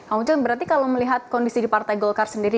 pak uceng berarti kalau melihat kondisi di partai golkar sendiri